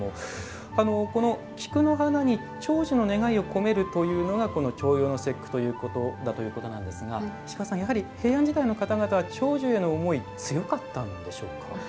この菊の花に長寿の願いを込めるというのが重陽の節句だということなんですがやはり平安時代の方々長寿への思い強かったんでしょうか？